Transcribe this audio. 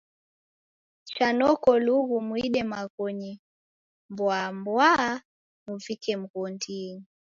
Cha noko lughu muide maghonyi mbaw'a-mba'wa muvike mghondinyi.